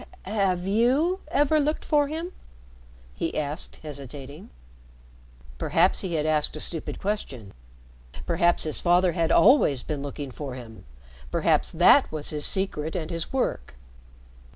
"Have you ever looked for him?" he asked hesitating. Perhaps he had asked a stupid question perhaps his father had always been looking for him, perhaps that was his secret and his work.